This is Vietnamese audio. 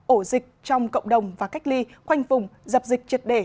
ổ dịch trong cộng đồng và cách ly khoanh vùng dập dịch triệt đề